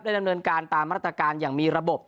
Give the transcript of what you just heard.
ดำเนินการตามมาตรการอย่างมีระบบ